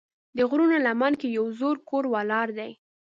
د غرونو لمن کې یو زوړ کور ولاړ دی.